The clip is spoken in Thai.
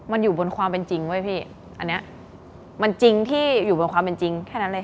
มันอยู่บนความเป็นจริงเว้ยพี่อันเนี้ยมันจริงที่อยู่บนความเป็นจริงแค่นั้นเลยค่ะ